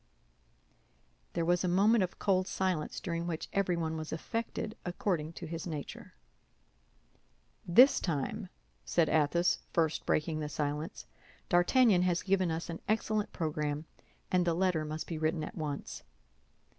There was a moment of cold silence, during which everyone was affected according to his nature. "This time," said Athos, first breaking the silence, "D'Artagnan has given us an excellent program, and the letter must be written at once."